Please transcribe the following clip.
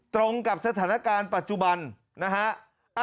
ตรงกับสถานการณ์ปัจจุบันนะฮะ